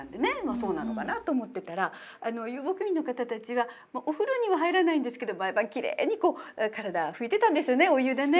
そうなのかなと思ってたら遊牧民の方たちはお風呂には入らないんですけどやっぱりきれいに体拭いてたんですよねお湯でね。